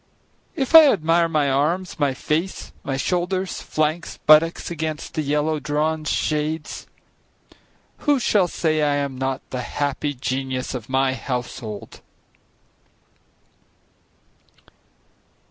If I admire my arms, my face, my shoulders, flanks, buttocks against the yellow drawn shades, Who shall say I am not the happy genius of my household?